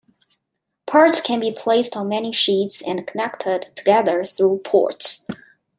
Parts can be placed on many sheets and connected together through ports.